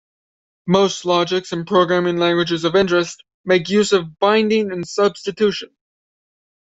Most logics and programming languages of interest make use of binding and substitution.